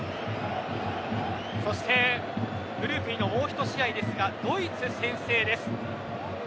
そしてグループＥのもう一試合ですがドイツ先制です。